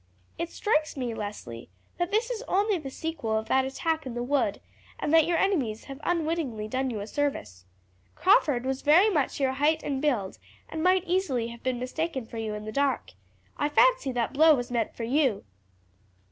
"It strikes me, Leslie, that this is only the sequel of that attack in the wood, and that your enemies have unwittingly done you a service. Crawford was very much your height and build, and might easily have been mistaken for you in the dark. I fancy that blow was meant for you."